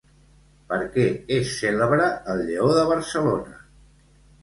Per què és cèlebre el Lleó de Barcelona?